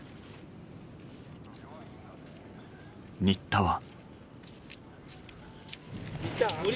新田は。